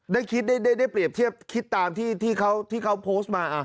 ได้คิดได้เปรียบเทียบคิดตามที่เขาโพสต์มา